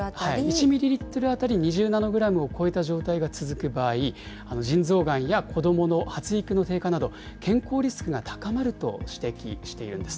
１ミリリットル当たり２０ナノグラムを超えた状態が続く場合、腎臓がんや子どもの発育の低下など、健康リスクが高まると指摘しているんです。